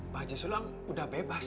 pak haji sulam udah bebas